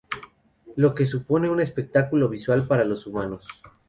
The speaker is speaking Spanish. Lo que supone un espectáculo visual para los humanos.